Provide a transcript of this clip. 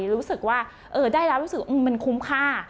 รู้สึกว่าได้รับรู้สึกว่ามันคุ้มค่า